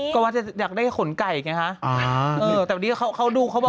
ก็ว่าจะอยากได้ขนไก่ไงฮะเออแต่วันนี้เขาดูเขาเบา